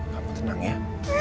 kamu tenang ya